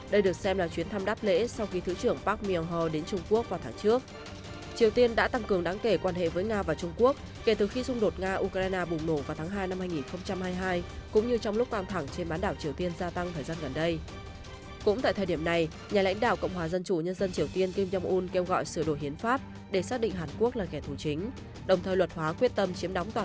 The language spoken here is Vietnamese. đây được xem là chuyến thăm đáp lễ sau khi thứ trưởng park myung ho đến trung quốc vào tháng trước